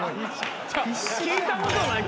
聞いたことないって。